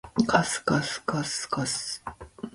かすかすかすかす